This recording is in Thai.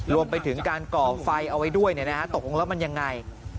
รวมไปถึงการก่อไฟเอาไว้ด้วยตกลงแล้วมันยังไง